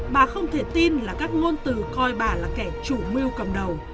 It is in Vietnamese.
bà không thể tin là các ngôn từ coi bà là kẻ chủ mưu cầm đầu